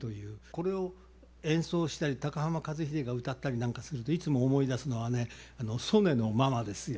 これを演奏したり高浜和英が歌ったりなんかするといつも思い出すのはねＳＯＮＥのママですよ。